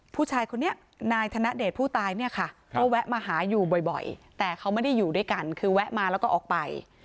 ผู้ชายคนนี้นายธนเดชผู้ตายเนี่ยค่ะก็แวะมาหาอยู่บ่อยแต่เขาไม่ได้อยู่ด้วยกันคือแวะมาแล้วก็ออกไป